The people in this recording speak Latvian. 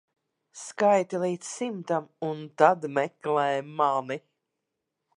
Skaiti līdz simtam un tad meklē mani.